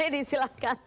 pak hedi silahkan